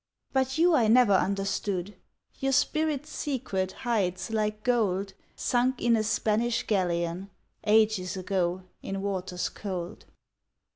But you I never understood, Your spirit's secret hides like gold Sunk in a Spanish galleon Ages ago in waters cold.